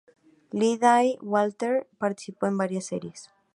Lindsay Wagner participó en varias series.